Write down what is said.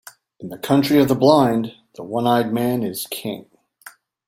In the country of the blind, the one-eyed man is king.